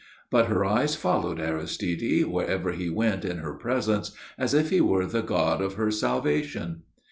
But her eyes followed Aristide, wherever he went in her presence, as if he were the god of her salvation.